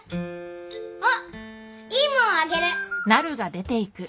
あっいいもんあげる。